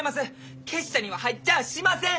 結社には入っちゃあしません！